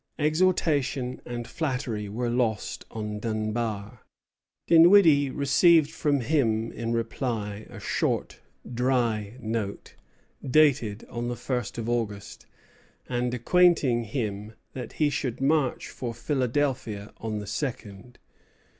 Exhortation and flattery were lost on Dunbar. Dinwiddie received from him in reply a short, dry note, dated on the first of August, and acquainting him that he should march for Philadelphia on the second.